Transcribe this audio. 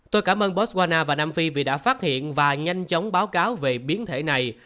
tôi cảm ơn botswana và nam phi vì đã phát hiện và nhanh chóng báo cáo về biến thể này